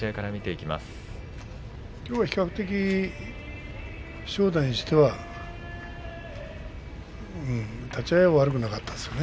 きょうは比較的正代にしては立ち合い悪くなかったですね。